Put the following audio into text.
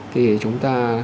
thì chúng ta